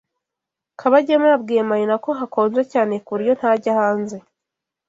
Kabagema yabwiye Marina ko hakonje cyane ku buryo ntajya hanze.